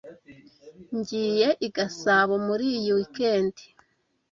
Ngiye i Gasabo muri iyi weekend.